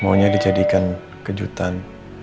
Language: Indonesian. maunya dijadikan kejutan